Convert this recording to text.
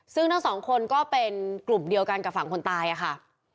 ซึ่งทั้งสองคนก็เป็นกลุ่มเดียวกันกับฝั่งคนตายค่ะ